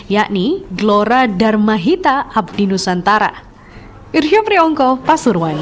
yakni glora darmahita abdinusantara